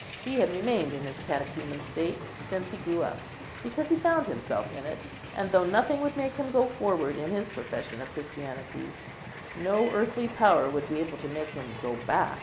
He had remained in his catechumen state since he grew up, because he found himself in it; and though nothing would make him go forward in his profession of Christianity, no earthly power would be able to make him go back.